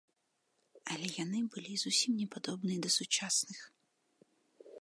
Але яны былі зусім не падобныя да сучасных.